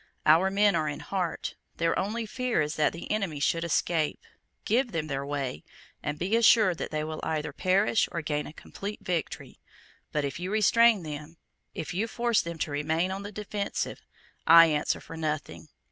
Our men are in heart. Their only fear is that the enemy should escape. Give them their way; and be assured that they will either perish or gain a complete victory. But if you restrain them, if you force them to remain on the defensive, I answer for nothing.